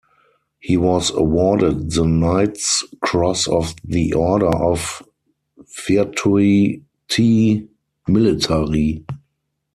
He was awarded the Knight's Cross of the Order of Virtuti Militari.